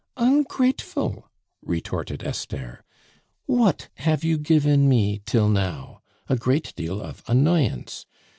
"Ungrateful!" retorted Esther. "What have you given me till now? A great deal of annoyance.